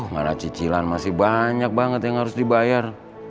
marah cicilan masih banyak banget yang harus dibayar